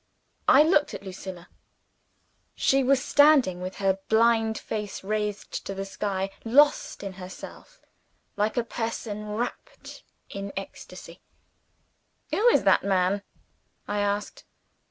I looked at Lucilla. She was standing, with her blind face raised to the sky, lost in herself, like a person wrapped in ecstasy. "Who is that man?" I asked.